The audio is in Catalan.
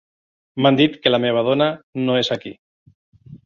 M'han dit que la meva dona no és aquí.